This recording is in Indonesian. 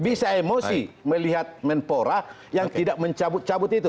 bisa emosi melihat menpora yang tidak mencabut cabut itu